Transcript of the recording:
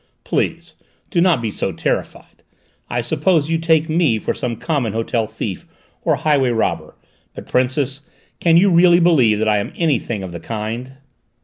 "Please do not be so terrified; I suppose you take me for some common hotel thief, or highway robber, but, Princess, can you really believe that I am anything of the kind?"